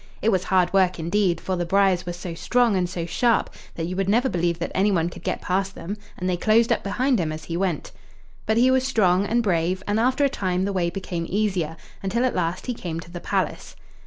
It was hard work indeed, for the briars were so strong and so sharp that you would never believe that anyone could get past them, and they closed up behind him as he went. But he was strong and brave, and after a time the way became easier, until at last he came to the palace.